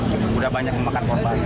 sudah banyak yang makan kok pak